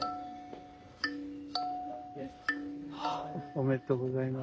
おめでとうございます。